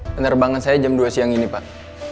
penerbangan saya jam dua siang ini pak